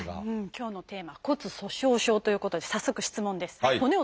今日のテーマ「骨粗しょう症」ということで早速質問です。